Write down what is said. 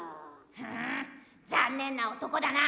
ふん残念な男だな。